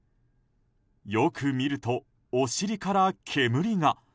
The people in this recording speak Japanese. よく見ると、お尻から煙が。